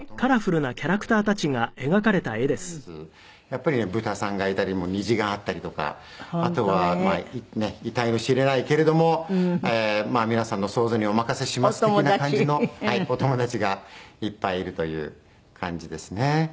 やっぱりねブタさんがいたり虹があったりとかあとはえたいの知れないけれども皆さんの想像にお任せします的な感じのお友達がいっぱいいるという感じですね。